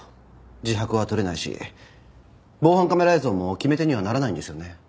自白は取れないし防犯カメラ映像も決め手にはならないんですよね？